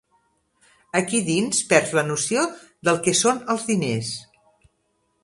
Aquí dins perds la noció del que són els diners.